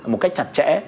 một cách chặt chẽ